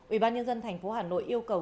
ubnd tp hà nội yêu cầu